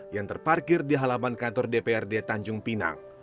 yang terparkir di halaman kantor dprd tanjung pinang